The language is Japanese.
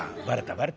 「バレた」。